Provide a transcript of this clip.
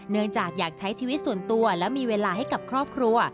อยากใช้ชีวิตส่วนตัวและมีเวลาให้กับครอบครัว